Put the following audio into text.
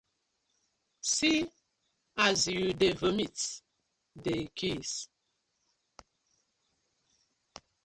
See as yu dey vomit dey kdis.